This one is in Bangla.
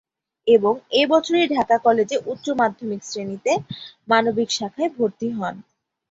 এবং এ বছরই ঢাকা কলেজে উচ্চ মাধ্যমিক শ্রেণিতে মানবিক শাখায় ভর্তি হন।